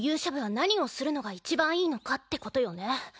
何をするのがいちばんいいのかってことよね。